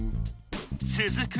続く